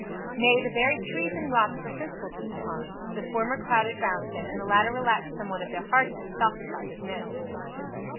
Nay, the very trees and rocks were sensible to the charm. The former crowded round him and the latter relaxed somewhat of their hardness, softened by his notes.